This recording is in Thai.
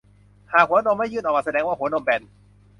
หากหัวนมไม่ยื่นออกมาแสดงว่าหัวนมแบน